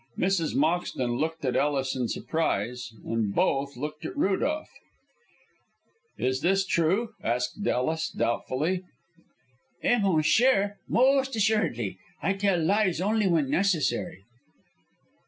Mrs. Moxton looked at Ellis in surprise, and both looked at Rudolph. "Is this true?" asked Ellis, doubtfully. "Eh, mon cher, most assuredly. I tell lies only when necessary."